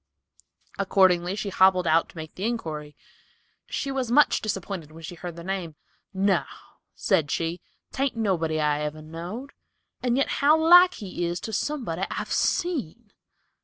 Accordingly she hobbled out to make the inquiry. She was much disappointed when she heard the name. "No," said she, "'tain't nobody I ever knowed, and yet how like he is to somebody I've seen."